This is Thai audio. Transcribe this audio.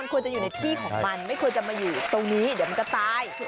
ควรจะอยู่ในที่ของมันไม่ควรจะมาอยู่ตรงนี้เดี๋ยวมันจะตาย